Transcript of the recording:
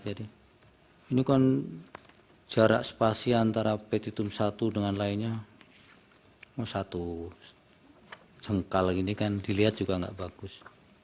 jadi ini kan jarak spasi antara petitum satu dengan lainnya satu jengkal ini kan dilihat juga enggak bagus